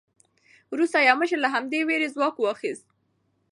وروسته یو مشر له همدې وېرې ځواک واخیست.